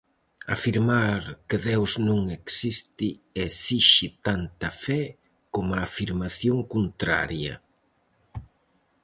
Afirmar que Deus non existe esixe tanta fe coma a afirmación contraria.